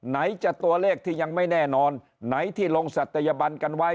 ไหนจะตัวเลขที่ยังไม่แน่นอนไหนที่ลงศัตยบันกันไว้